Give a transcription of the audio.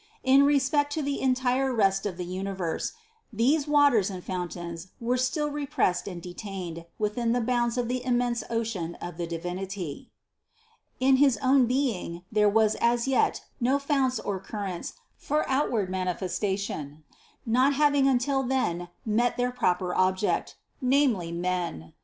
In respect to the entire rest of the universe, these waters and fountains were still repressed and detained within the bounds of the immense ocean of the Divinity ; in his own Being there were as yet no founts or currents for outward man ifestation, not having until then met their proper object, namely, men.